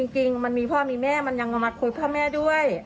แล้วก็จริงมันมีพ่อมีแม่มันยังมาคุยพ่อแม่ด้วย